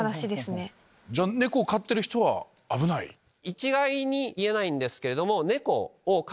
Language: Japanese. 一概に言えないんですけど。